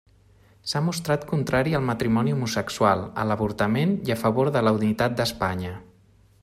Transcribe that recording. S'ha mostrat contrari al matrimoni homosexual, a l'avortament i a favor de la unitat d'Espanya.